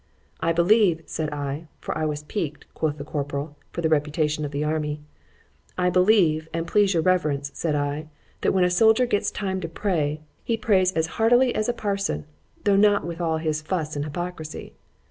—I believe, said I,—for I was piqued, quoth the corporal, for the reputation of the army,—I believe, an' please your reverence, said I, that when a soldier gets time to pray,—he prays as heartily as a parson,—though not with all his fuss and hypocrisy.